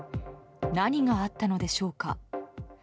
何があったのでしょうか。